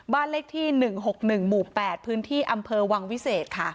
บ้านเลขที่๑๖๑หมู่๘พื้นที่อำเภอวังวิเศษค่ะ